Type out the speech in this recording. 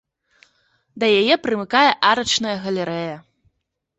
Да яе прымыкае арачная галерэя.